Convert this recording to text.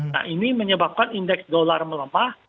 nah ini menyebabkan indeks dolar melemah